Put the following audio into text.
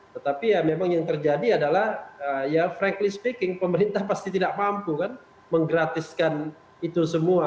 tetapi ya memang yang terjadi adalah ya frankly speaking pemerintah pasti tidak mampu kan menggratiskan itu semua